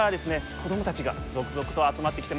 こどもたちが続々と集まってきてますよ。